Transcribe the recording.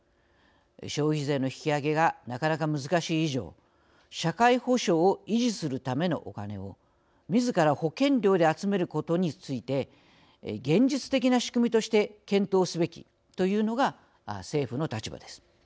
消費税の引き上げがなかなか難しい以上社会保障を維持するためのお金をみずから保険料で集めることについて現実的な仕組みとして検討すべきというのが政府の立場です。